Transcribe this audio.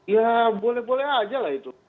ya boleh boleh aja lah itu